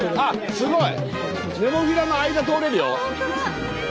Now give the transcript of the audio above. すごい！